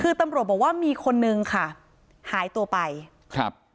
คือตำรวจบอกว่ามีคนนึงค่ะหายตัวไปครับ